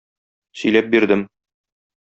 Сөйләп бирдем.